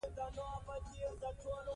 ایا خلک به د هغه غوښتنې ومني؟